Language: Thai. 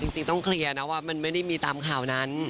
จริงต้องเคลียร์นะว่ามันไม่ได้มีตามข่าวนั้น